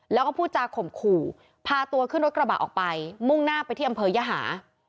แล้วก็พูดจาข่มขู่พาตัวขึ้นรถกระบะออกไปมุ่งหน้าไปที่อำเภอยหา